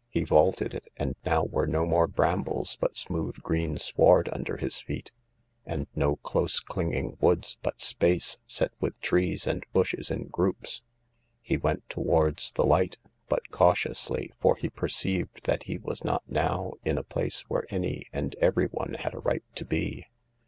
' He vaulted it ; and now were no more brambles, but smooth green sward under his feet ; and no close clinging woods, but space, set with trees and bushes in groups. He went towards the light, but cautiously, for he perceived that he was not now in a place where any and every one had a right to be.